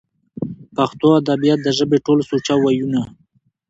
پښتو ادبيات د ژبې ټول سوچه وييونو